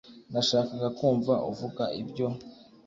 nashakaga kumva uvuga ibyo